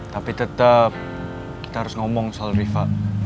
tapi tetap kita harus ngomong soal riva